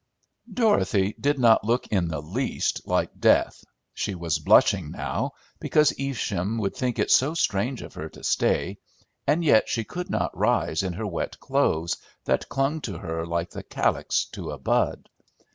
Dorothy did not look in the least like death. She was blushing now, because Evesham would think it so strange of her to stay, and yet she could not rise in her wet clothes, that clung to her like the calyx to a bud.